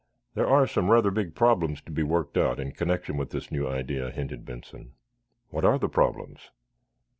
"There are some rather big problems to be worked out, in connection with this new idea," hinted Benson. "What are the problems?"